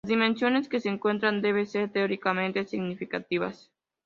Las dimensiones que se encuentren deben ser teóricamente significativas.